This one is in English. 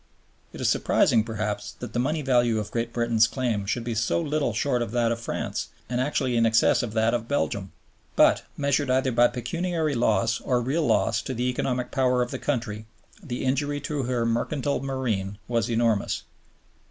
It is surprising, perhaps, that the money value of Great Britain's claim should be so little short of that of France and actually in excess of that of Belgium. But, measured either by pecuniary loss or real loss to the economic power of the country, the injury to her mercantile marine was enormous.